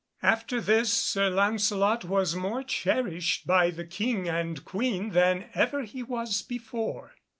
After this Sir Lancelot was more cherished by the King and Queen than ever he was before.